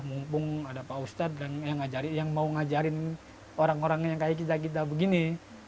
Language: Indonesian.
mumpung ada pak ustadz yang mau ngajarin orang orang yang kayak kita kita begini